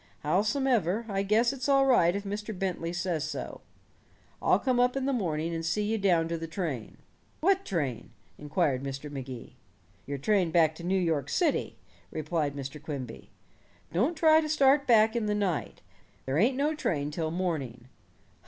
Howsomever, I guess it's all right if Mr. Bentley says so. I'll come up in the morning and see you down to the train." "What train?" inquired Mr. Magee. "Your train back to New York City," replied Mr. Quimby. "Don't try to start back in the night. There ain't no train till morning."